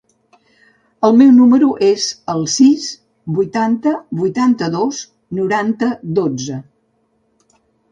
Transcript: El meu número es el sis, vuitanta, vuitanta-dos, noranta, dotze.